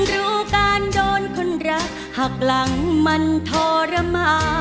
สวัสดีครับ